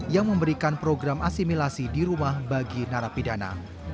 yang memberikan program asimilasi di rumah bagi narapidana